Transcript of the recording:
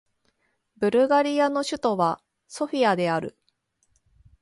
ブルガリアの首都はソフィアである